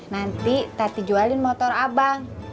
nanti teddy jualin motor abang